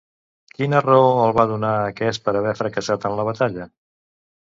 Quina raó els va donar aquest per haver fracassat en la batalla?